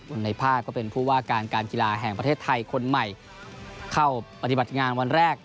ในภาพก็เป็นผู้ว่าการการกีฬาแห่งประเทศไทยคนใหม่เข้าปฏิบัติงานวันแรก